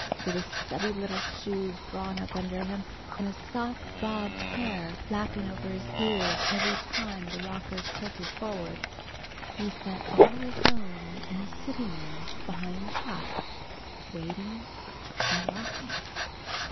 With his stubby little shoes drawn up under him, and his soft bobbed hair flapping over his ears every time the rockers tilted forward, he sat all alone in the sitting room behind the shop, waiting and rocking.